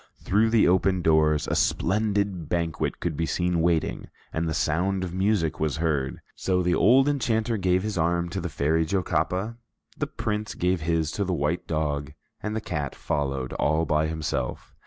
Through the open doors, a splendid banquet could be seen waiting, and the sound of music was heard. So the old enchanter gave his arm to the Fairy Jocapa, the Prince gave his to the white dog, and the cat followed all by himself.